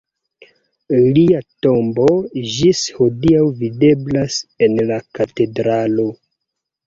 Lia tombo ĝis hodiaŭ videblas en la katedralo.